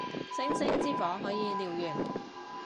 星星之火可以燎原